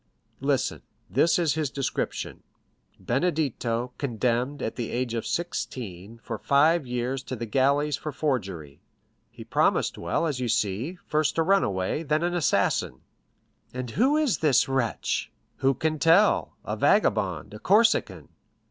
"Listen; this is his description: 'Benedetto, condemned, at the age of sixteen, for five years to the galleys for forgery.' He promised well, as you see—first a runaway, then an assassin." "And who is this wretch?" "Who can tell?—a vagabond, a Corsican."